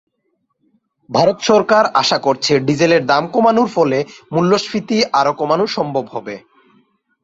ভারত সরকার আশা করছে, ডিজেলের দাম কমানোর ফলে মূল্যস্ফীতি আরও কমানো সম্ভব হবে।